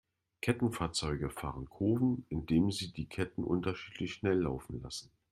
Kettenfahrzeuge fahren Kurven, indem sie die Ketten unterschiedlich schnell laufen lassen.